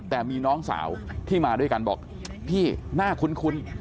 แต่มีน้องสาวที่มาด้วยกันบอกพี่น่าคุ้น